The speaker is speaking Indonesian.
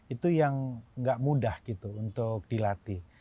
itu yang nggak mudah gitu untuk dilatih